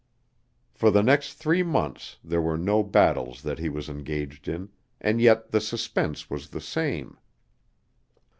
For the next three months there were no battles that he was engaged in, and yet the suspense was the same.